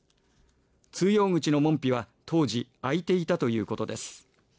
通用口の門扉は当時開いていたということです。